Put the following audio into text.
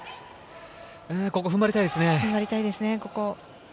ここ踏ん張りたいですね。